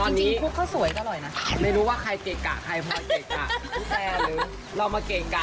ตอนนี้จริงพุงเค้าสวยแต่อร่อยนะเป็นรู้ว่าใครเกะกะใครพอเกะกะรลมะเกะกะ